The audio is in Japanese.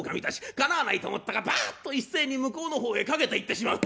かなわないと思ったかバッと一斉に向こうの方へ駆けていってしまう。